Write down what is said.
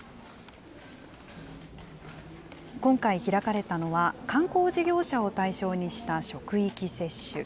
今回開かれたのは、観光事業者を対象にした職域接種。